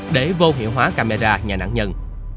để vô hiệu hóa camera nhà nạn nhân